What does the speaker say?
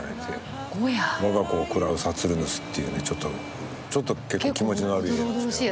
『我が子を食らうサトゥルヌス』っていうちょっと結構気持ちの悪い絵なんですけど。